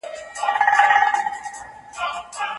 که واکسین موجود وي، ناروغي کنټرول کېږي.